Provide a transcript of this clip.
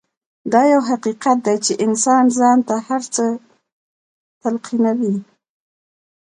دا يو حقيقت دی چې انسان ځان ته هر څه تلقينوي.